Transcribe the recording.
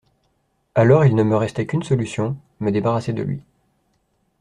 Alors, il ne me restait qu’une solution: me débarrasser de lui.